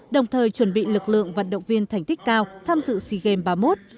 đồng thời chuẩn bị lực lượng vận động viên thành tích cao tham dự sea games ba mươi một